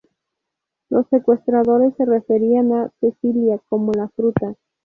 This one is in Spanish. Los secuestradores se referían a Cecilia como "la fruta".